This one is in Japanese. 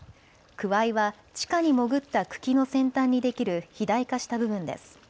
くわいは地下に潜った茎の先端にできる肥大化した部分です。